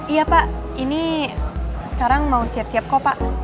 iya pak ini sekarang mau siap siap kok pak